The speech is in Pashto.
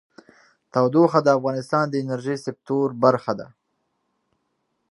تودوخه د افغانستان د انرژۍ سکتور برخه ده.